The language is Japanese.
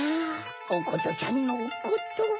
おことちゃんのおこと。